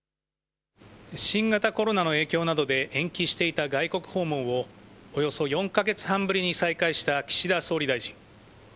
新型コロナの影響などで延期していた外国訪問を、およそ４か月半ぶりに再開した岸田総理大臣。